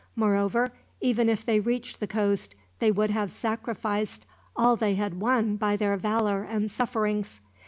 Moreover, even if they reached the coast, they would have sacrificed all they had won by their valor and sufferings.